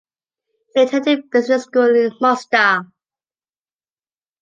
He attended business school in Mostar.